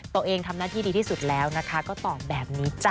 ตัวเองทำหน้าที่ดีที่สุดแล้วนะคะก็ตอบแบบนี้จ้ะ